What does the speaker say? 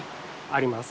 あります。